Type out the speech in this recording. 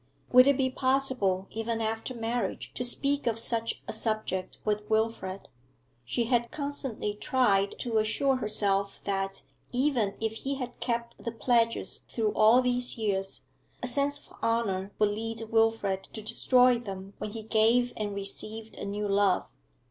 Would it be possible, even after marriage, to speak of such a subject with Wilfrid? She had constantly tried to assure herself that, even if he had kept the pledges through all these years, a sense of honour would lead Wilfrid to destroy them when he gave and received a new love.